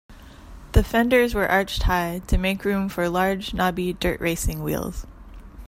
The fenders were arched high, to make room for large, knobby dirt-racing wheels.